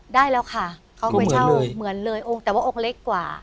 ได้แล้วค่ะเขาไปเช่าเหมือนเลยองค์แต่ว่าองค์เล็กกว่า